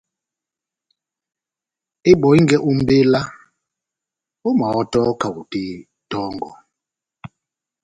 Ebɔhingé ó mbéla ómahɔ́to kahote tɔ́ngɔ